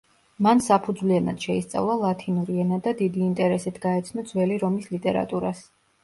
მან საფუძვლიანად შეისწავლა ლათინური ენა და დიდი ინტერესით გაეცნო ძველი რომის ლიტერატურას.